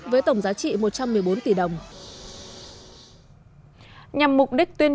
với tổng giá trị một trăm một mươi bốn tỷ đồng